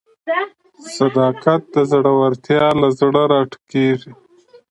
صداقت د زړورتیا له زړه راټوکېږي.